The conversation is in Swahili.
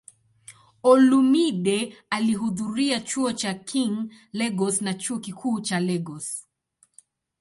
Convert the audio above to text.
Olumide alihudhuria Chuo cha King, Lagos na Chuo Kikuu cha Lagos.